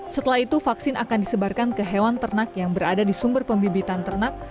setelah itu vaksin akan disebarkan ke hewan ternak yang berada di sumber pembibitan ternak